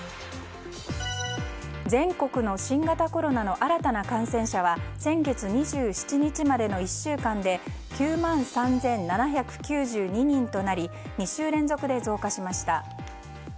全国の新型コロナの新たな感染者は先月２７日までの１週間で９万３７９２人となり２週連続で増加しました。